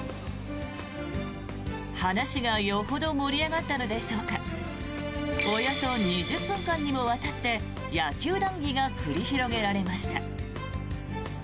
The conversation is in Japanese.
話がよほど盛り上がったのでしょうかおよそ２０分間にもわたって野球談議が繰り広げられました。